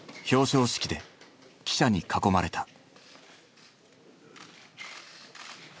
表彰式で記者に囲まれた。